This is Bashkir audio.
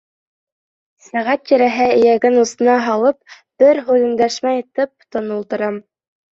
Сәғәт тирәһе эйәген усына һалып бер һүҙ өндәшмәй, тып-тын ултыра.